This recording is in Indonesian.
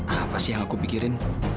apa sih yang aku pikirin